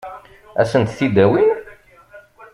Ad sent-t-id-awin?